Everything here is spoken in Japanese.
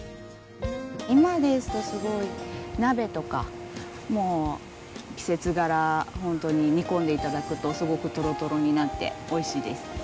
今ですとすごい鍋とか季節柄ホントに煮込んで頂くとすごくトロトロになっておいしいです。